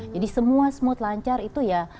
jadi semua smooth lancar itu ya